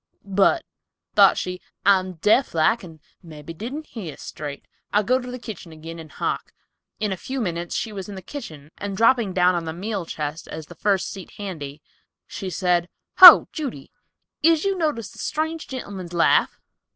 "But," thought she, "I'm deaf like and mebby didn't hear straight. I'll go to the kitchen agin and hark." In a few minutes she was in the kitchen and dropping down on the meal chest as the first seat handy, she said, "Ho, Judy, is you noticed the strange gentleman's laugh?"